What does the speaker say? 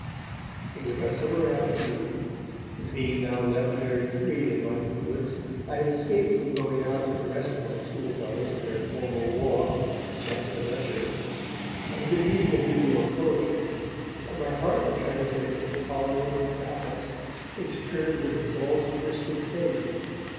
It was a summer afternoon, and, being now left very free in my movements, I had escaped from going out with the rest of my schoolfellows in their formal walk in charge of an usher. I had been reading a good deal of poetry, but my heart had translated Apollo and Bacchus into terms of exalted Christian faith.